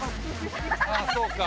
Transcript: ああそうか。